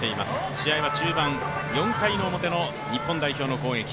試合は中盤、４回表の日本代表の攻撃。